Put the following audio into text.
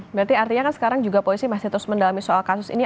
berarti artinya kan sekarang juga polisi masih terus mendalami soal kasus ini